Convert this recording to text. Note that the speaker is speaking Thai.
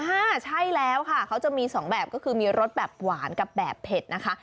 อ่าใช่แล้วค่ะเขาจะมีสองแบบก็คือมีรสแบบหวานกับแบบเผ็ดนะคะ